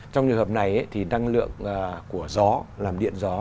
trong trường hợp này thì năng lượng của gió làm điện gió